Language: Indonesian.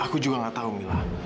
aku juga gak tahu mila